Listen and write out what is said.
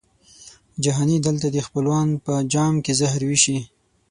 جهاني دلته دي خپلوان په جام کي زهر وېشي